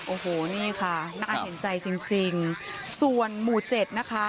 โอ้โหนี่ค่ะน่าเห็นใจจริงจริงส่วนหมู่เจ็ดนะคะ